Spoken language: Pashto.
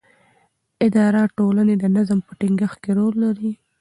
اداره د ټولنې د نظم په ټینګښت کې رول لري.